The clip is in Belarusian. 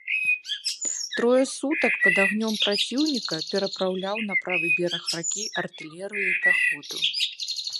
Трое сутак пад агнём праціўніка перапраўляў на правы бераг ракі артылерыю і пяхоту.